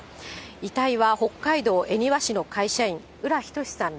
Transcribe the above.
遺体は北海道恵庭市の会社員、浦仁志さん